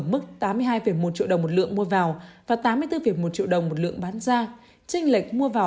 ở mức tám mươi hai một triệu đồng một lượng mua vào và tám mươi bốn một triệu đồng một lượng bán ra tranh lệch mua vào